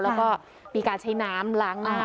แล้วก็มีการใช้น้ำล้างหน้า